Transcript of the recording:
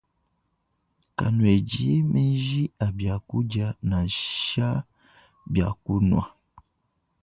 Kanuedi menji a biakudia nansha bia kunua.